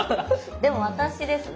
でも私ですね